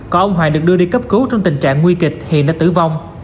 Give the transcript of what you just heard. có ông hoàng được đưa đi cấp cứu trong tình trạng nguy kịch hiện đã tử vong